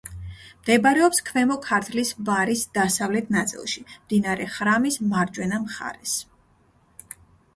მდებარეობს ქვემო ქართლის ბარის დასავლეთ ნაწილში, მდინარე ხრამის მარჯვენა მხარეს.